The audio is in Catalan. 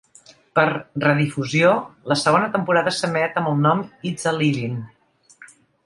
Per redifusió, la segona temporada s'emet amb el nom "It's a Living".